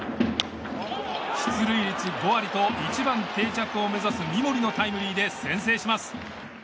出塁率５割と１番定着を目指す三森のタイムリーで先制します。